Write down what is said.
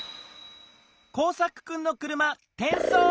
コウサクくんの車てんそう。